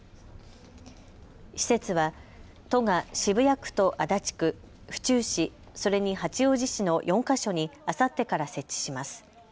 施設は都が渋谷区と足立区、府中市、それに八王子市の４か所にあさってから設置します。